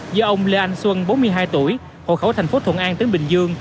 do ông lê anh xuân bốn mươi hai tuổi hộ khẩu thành phố thuận an tỉnh bình dương